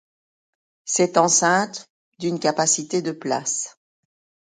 Cette enceinte d'une capacité de places.